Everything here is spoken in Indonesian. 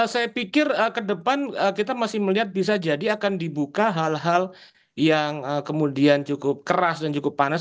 saya pikir ke depan kita masih melihat bisa jadi akan dibuka hal hal yang kemudian cukup keras dan cukup panas